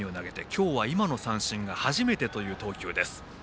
今日は今の三振が初めてという投球です。